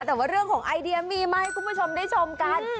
แต่ว่าเรื่องของไอเดียมีมาให้คุณผู้ชมได้ชมกัน